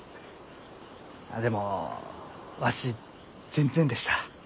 でもわし全然でした。